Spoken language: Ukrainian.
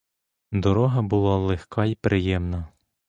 Дорога була легка й приємна.